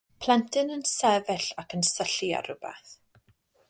Plentyn yn sefyll ac yn syllu ar rywbeth.